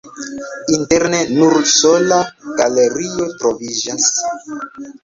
Interne nur sola galerio troviĝas.